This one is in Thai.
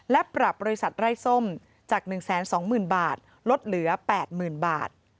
และปรับบริษัทไร้ส้มจาก๑๒๐๐๐บาทลดเหลือ๘๐๐๐บาท